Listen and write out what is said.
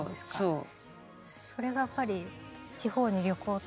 そう。